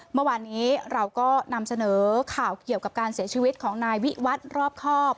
เมื่อวานนี้เราก็นำเสนอข่าวเกี่ยวกับการเสียชีวิตของนายวิวัตรรอบครอบ